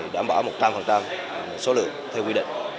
đảm bảo một trăm linh số lượng theo quy định